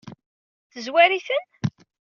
Tezwar-iten?